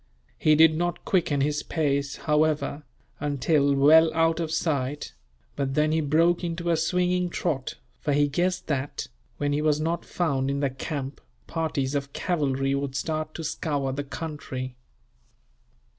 He did not quicken his pace, however, until well out of sight; but then he broke into a swinging trot, for he guessed that, when he was not found in the camp, parties of cavalry would start to scour the country.